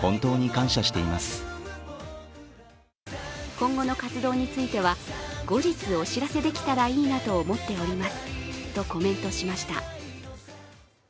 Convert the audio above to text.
今後の活動については、後日お知らせできたらいいなと思っておりますとコメントしました。